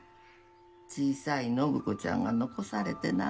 小さい展子ちゃんが残されてなあ。